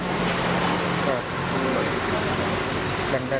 เล่นวันเท่าไหร่